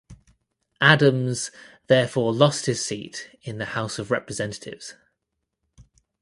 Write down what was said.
Adams therefore lost his seat in the House of Representatives.